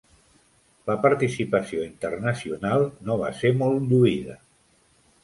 La participació internacional no va ser molt lluïda.